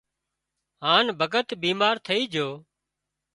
هانَ ڀڳت بيمار ٿئي جھو